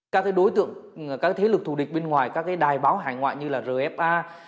các đối tượng các thế lực thù địch bên ngoài các đài báo hải ngoại như là rfa